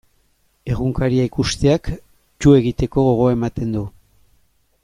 Egunkaria ikusteak tu egiteko gogoa ematen du.